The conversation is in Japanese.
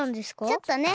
ちょっとね。